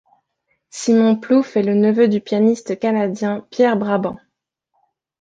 Simon Plouffe est le neveu du pianiste canadien Pierre Brabant.